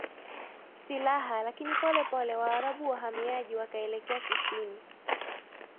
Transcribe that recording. silaha Lakini polepole Waarabu wahamiaji wakaelekea kusini